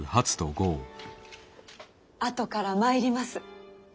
あとから参ります。